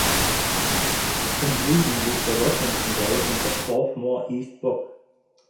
Im Süden liegt der Washington Lake und das Torfmoor "East Bog".